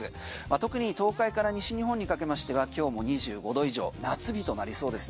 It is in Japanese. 特に東海から西日本にかけまして今日も２５度以上夏日となりそうです。